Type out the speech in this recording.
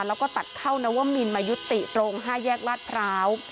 แล้วก็ตัดเข้านวมินมายุติตรง๕แยกลาดพร้าว